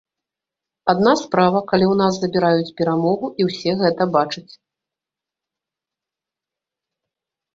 Адна справа, калі ў нас забіраюць перамогу, і ўсе гэта бачаць.